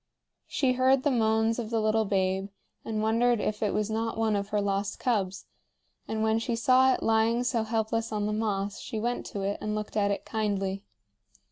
She heard the moans of the little babe, and wondered if it was not one of her lost cubs; and when she saw it lying so helpless on the moss she went to it and looked at it kindly.